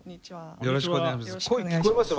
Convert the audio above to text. よろしくお願いします。